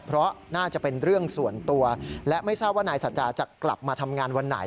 เพราะน่าจะเป็นเรื่องส่วนตัวและไม่ทราบว่านายสัจจาจะกลับมาทำงานวันไหน